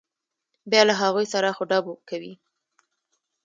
بیا له هغوی سره اخ و ډب کوي.